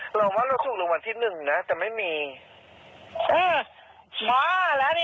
เราว่าเราซุกลงวันที่หนึ่งน่ะแต่ไม่มีอือหมอแล้วเนี้ย